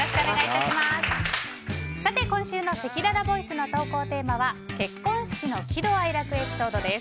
今週のせきららボイスの投稿テーマは結婚式の喜怒哀楽エピソードです。